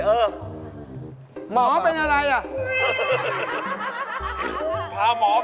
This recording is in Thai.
ถูกแล้ว